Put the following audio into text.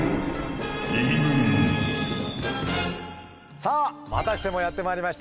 さあまたしてもやってまいりました。